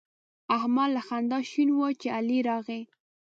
احمد له خندا شین وو چې علي راغی.